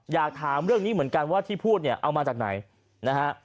อยากถามเรื่องนี้เหมือนกันว่าที่พูดเนี่ยเอามาจากไหนนะฮะ